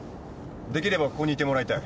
できればここにいてもらいたい。